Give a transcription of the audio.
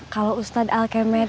kalau ustadz al kemet